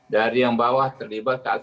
dari yang bawah terlibat ke atas